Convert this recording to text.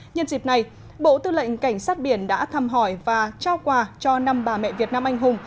nhân dịp này bộ tư lệnh cảnh sát biển đã thăm hỏi và trao quà cho năm bà mẹ việt nam anh hùng